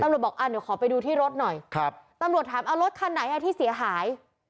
บอกอ่าเดี๋ยวขอไปดูที่รถหน่อยครับตำรวจถามเอารถคันไหนอ่ะที่เสียหาย